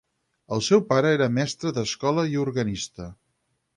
El seu pare era mestre d'escola i organista.